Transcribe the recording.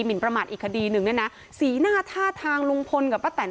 หินประมาทอีกคดีหนึ่งเนี่ยนะสีหน้าท่าทางลุงพลกับป้าแตน